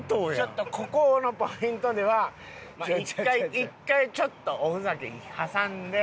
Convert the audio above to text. ちょっとここのポイントでは１回ちょっとおふざけ挟んで。